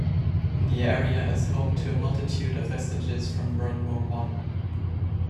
The area is home to a multitude of vestiges from World War One.